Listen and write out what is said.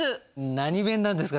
何弁なんですか？